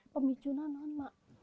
pemicu itu apa mak